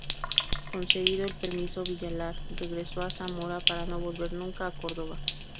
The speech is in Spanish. Concedido el permiso, Villalar regresó a Zamora para no volver nunca a Córdoba.